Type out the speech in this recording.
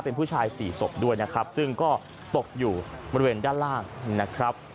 เป็นผู้ชายสี่ศพด้วยนะครับซึ่งก็ตกอยู่บริเวณด้านล่างนะครับ